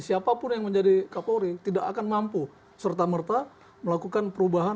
siapapun yang menjadi kapolri tidak akan mampu serta merta melakukan perubahan